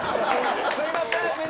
すみません。